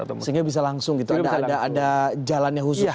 sehingga bisa langsung gitu ada jalannya khusus gitu ya